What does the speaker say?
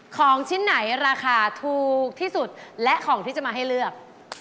ของชิ้นไหนราคาถูกที่สุดและของที่จะมาให้เลือก